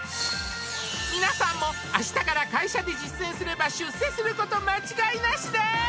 皆さんも明日から会社で実践すれば出世すること間違いなしです！